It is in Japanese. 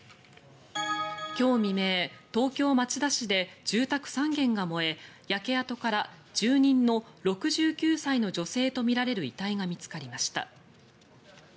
今日未明、東京・町田市で住宅３軒が燃え焼け跡から住人の６９歳の女性とみられる遺体が見つかりました。